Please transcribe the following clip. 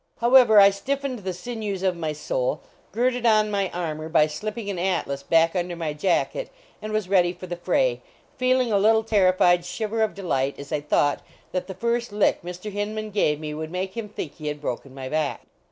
However, I stiffened the sinews of my soul, girded on my armor by slipping an atlas back under my jacket and wa ; ready for the fray, feeling a little terrified shiver of delight as I thought that the first lick Mr. 259 THE STRIKE AT HINMAVS Hinman gave me would make him think he had broken my back.